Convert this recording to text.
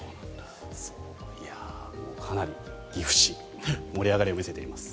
かなり岐阜市は盛り上がりを見せています。